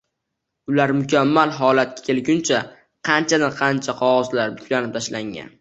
Ular mukammal holatga kelguncha, qanchadan-qancha qog‘ozlar buklanib tashlangan.